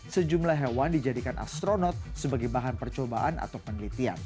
sejumlah hewan dijadikan astronot sebagai bahan percobaan atau penelitian